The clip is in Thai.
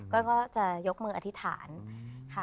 ก็จะยกมืออธิษฐานค่ะ